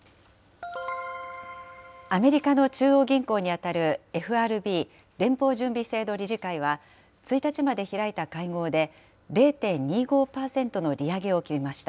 アメリカの中央銀行に当たる、ＦＲＢ・連邦準備制度理事会は、１日まで開いた会合で、０．２５％の利上げを決めました。